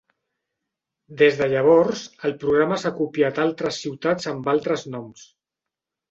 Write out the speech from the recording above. Des de llavors, el programa s"ha copiat a altres ciutats amb altres noms.